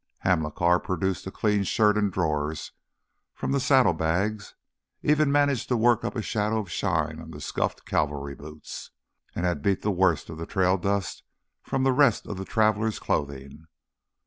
Hamilcar had produced a clean shirt and drawers from the saddlebags, even managing to work up a shadow of shine on the scuffed cavalry boots, and had beat the worst of the trail dust from the rest of the traveler's clothing.